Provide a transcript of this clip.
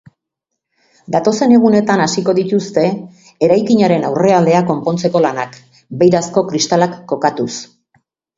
Datozen egunetan hasiko dituzte eraikinaren aurrealdea konpontzeko lanak, beirazko kristalak kokatuz.